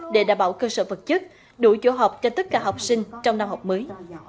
để đảm bảo cơ sở vật chất đủ chỗ học cho tất cả học sinh trong năm học mới